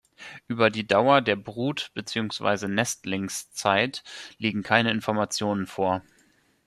Über die Dauer der Brut- beziehungsweise Nestlingszeit liegen keine Informationen vor.